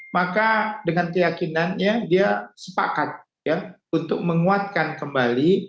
maka dengan keyakinannya dia sepakat untuk menguatkan kembali